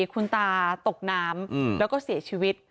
คุณตาตกน้ำแล้วก็เสียชีวิต